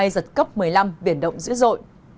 giật cấp một mươi năm biển động dữ dội